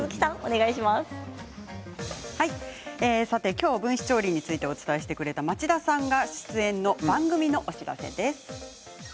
今日分子調理についてお伝えしてくれた町田さんが出演の番組のお知らせです。